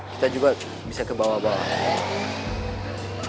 kita juga bisa ke bawah bawah